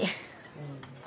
うん。